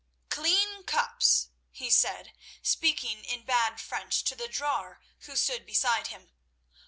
"Clean cups," he said, speaking in bad French, to the drawer who stood beside him.